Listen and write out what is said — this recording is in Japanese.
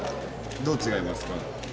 どう違いますか？